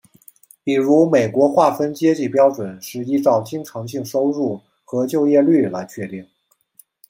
比如美国划分阶级标准是依照经常性收入和就业率来确定。